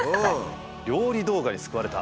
「料理動画に救われた！？」